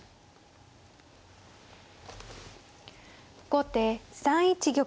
後手３一玉。